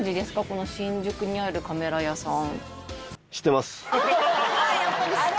この新宿にあるカメラ屋さん。